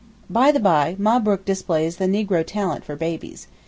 By the bye, Mabrook displays the negro talent for babies.